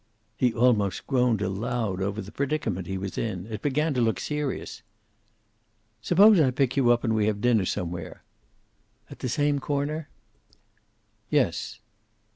He almost groaned aloud over the predicament he was in. It began to look serious. "Suppose I pick you up and we have dinner somewhere?" "At the same corner?" "Yes."